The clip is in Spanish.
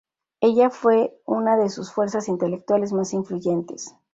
Ella fue una de sus fuerzas intelectuales más influyentes".